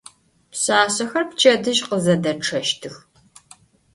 Pşsaşsexer pçedıj khızedeççeştıx.